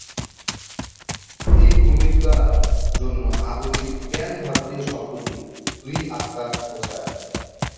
এই ভূমিকা জন্য আধুনিক প্যান-ভারতীয় শব্দটি "দুই আত্মা" বুঝায়।